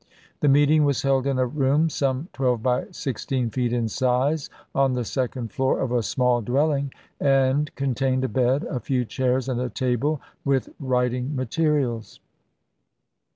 The meeting was held in a room some twelve by sixteen feet in size, on the second floor of a small dwelling, and contained a bed, a few chairs, and a table with writing materials.